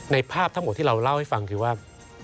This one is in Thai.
ภาพทั้งหมดที่เราเล่าให้ฟังคือว่า